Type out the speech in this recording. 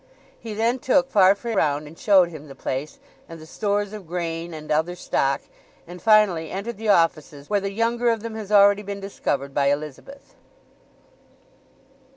He then took Farfrae round and showed him the place, and the stores of grain, and other stock; and finally entered the offices where the younger of them has already been discovered by Elizabeth.